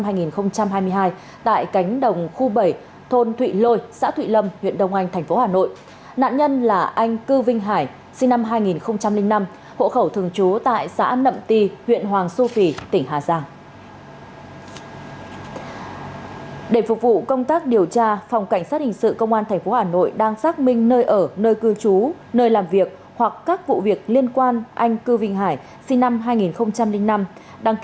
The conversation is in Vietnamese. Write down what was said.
phòng cảnh sát hình sự công an thành phố hà nội đang phối hợp với công an huyện đông anh điều tra xác minh nơi ở nơi cư trú nơi làm việc hoặc các vụ việc liên quan